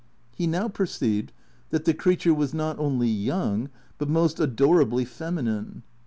He now perceived that the creature was not only young but most adorably feminine.